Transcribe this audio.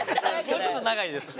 もうちょっと長いです。